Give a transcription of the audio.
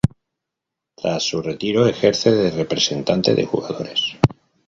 Tras su retiro ejerce de representante de jugadores.